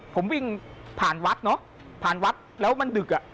ผมวิ่งผ่านวัดเนอะผ่านวัดแล้วมันดึกอ่ะ